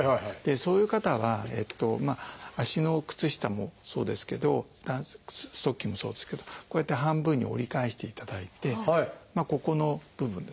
そういう方は足の靴下もそうですけどストッキングもそうですけどこうやって半分に折り返していただいてここの部分ですね